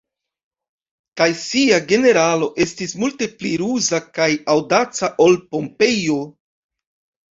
Kaj sia generalo estis multe pli ruza kaj aŭdaca ol Pompejo.